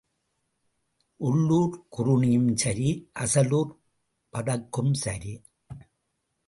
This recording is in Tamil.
உள்ளூர்க் குறுணியும் சரி அசலூர்ப் பதக்கும் சரி.